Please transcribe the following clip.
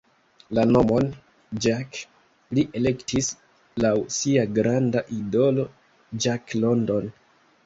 La nomon "Jack" li elektis laŭ sia granda idolo Jack London.